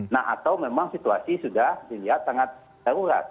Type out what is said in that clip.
nah atau memang situasi sudah dilihat sangat darurat